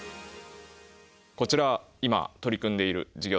こちら今取り組んでいる事業となります。